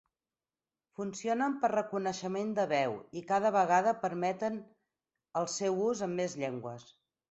Funcionen per reconeixement de veu i cada vegada permeten el seu ús en més llengües.